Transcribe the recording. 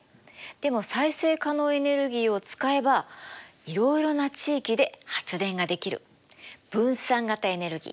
でも再生可能エネルギーを使えばいろいろな地域で発電ができる分散型エネルギー。